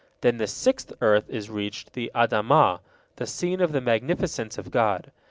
Then the sixth earth is reached, the Adamah, the scene of the magnificence of God.